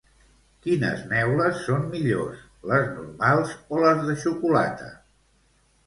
Quines neules són millors, les normals o les de xocolata?